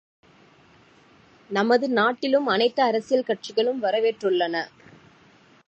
நமது நாட்டிலும் அனைத்து அரசியல் கட்சிகளும் வரவேற்றுள்ளன.